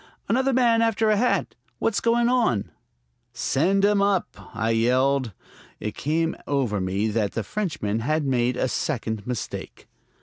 "Another man after a hat. What's goin' on?" "Send him up!" I yelled. It came over me that the Frenchman had made a second mistake.